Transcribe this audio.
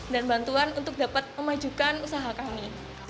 dan bantuan untuk dapat memajukan usaha kami